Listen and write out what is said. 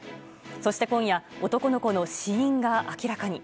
そして今夜男の子の死因が明らかに。